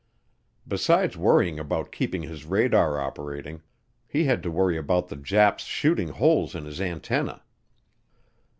Besides worrying about keeping his radar operating, he had to worry about the Japs' shooting holes in his antennae.